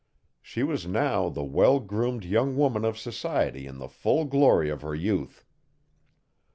She was now the well groomed young woman of society in the full glory of her youth.